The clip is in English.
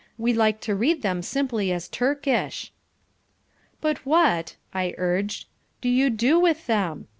We like to read them simply as Turkish." "But what," I urged, "do you do with them?